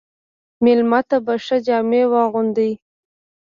مېلمه ته به ښه جامې واغوندې.